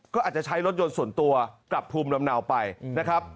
ก็อาจจะใช้รถยนต์ส่วนตัวกลับภูมิลำเนาไปนะครับ